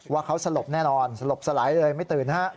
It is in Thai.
ว่าเขาสลบแน่นอนสลบสลายเลยไม่ตื่นฮะ